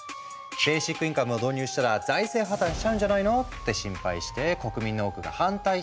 ベーシックインカムを導入したら財政破綻しちゃうんじゃないの？って心配して国民の多くが反対票を投じたんだ。